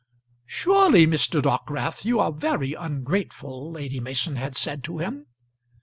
"Surely, Mr. Dockwrath, you are very ungrateful," Lady Mason had said to him.